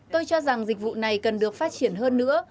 tôi cho rằng dịch vụ này cần được phát triển hơn nữa